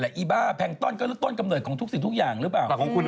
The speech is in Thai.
เขาอาจจะเป็นแบบพวกแพงต้นเป็นสัตว์เซลล์เดียวหรืออะไรอย่างนี้